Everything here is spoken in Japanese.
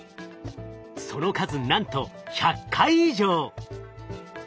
その数なんと１００回以上。